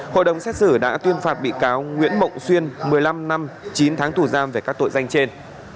hội đồng xét xử đã tuyên phạt bị cáo nguyễn mộng xuyên một mươi năm năm chín tháng tù giam về các tội danh trên